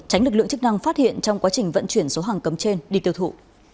tránh lực lượng chức năng phát hiện trong quá trình vận chuyển số hàng cấm trên đi tiêu thụ